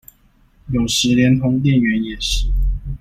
有時連同店員也是